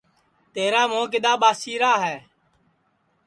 تیرا مُھو کِدؔا ٻاسیرا ہے